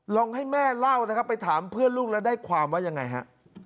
ลองให้แม่เล่านะครับไปถามเพื่อนลูกแล้วได้ความว่ายังไงฮะ